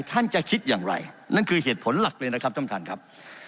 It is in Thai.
ท่านจะคิดอย่างไรนั่นคือเหตุผลหลักเลยนะครับท่านท่านครับ